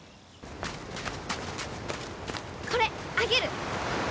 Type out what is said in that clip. これあげる！